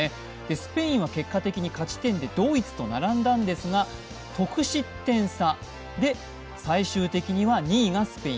スペインは結果的に勝ち点でドイツと並んだんですが得失点差で最終的には２位がスペイン。